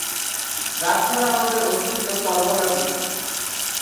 গাছ ছাড়া আমাদের অস্তিত্ব কল্পনাতীত।